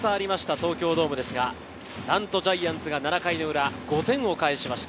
東京ドームですが、なんとジャイアンツが７回の裏、５点を返しました。